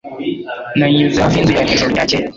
Nanyuze hafi yinzu yawe mwijoro ryakeye.